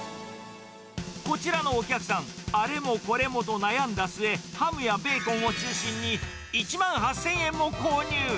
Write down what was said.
こちらのお客さん、あれもこれもと悩んだ末、ハムやベーコンを中心に１万８０００円も購入。